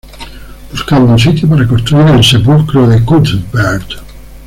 Buscaban un sitio para construir el sepulcro de Cuthbert.